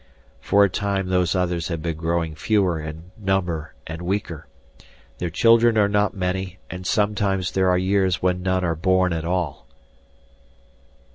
"For a time Those Others have been growing fewer in number and weaker. Their children are not many and sometimes there are years when none are born at all.